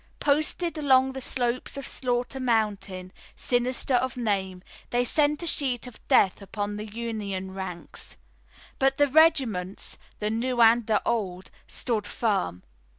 Posted along the slopes of Slaughter Mountain, sinister of name, they sent a sheet of death upon the Union ranks. But the regiments, the new and the old, stood firm.